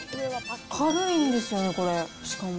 軽いんですよね、これ、しかも。